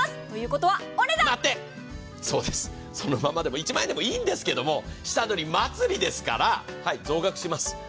ということはお値段そうです、そのままでも１万円でもいいんですけど下取り祭りですから、はい、増額します。